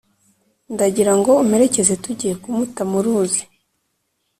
ndagira ngo umperekeze tujye kumuta mu ruzi